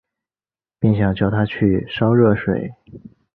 便想叫她去烧热水